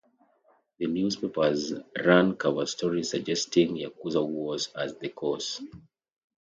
The newspapers run cover stories suggesting yakuza wars as the cause.